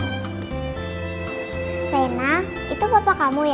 heina itu bapak kamu ya